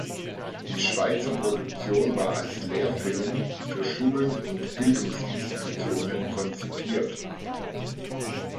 Die Schweizer Produktion war als Lehrfilm für Schulen und Bildungsinstitutionen konzipiert.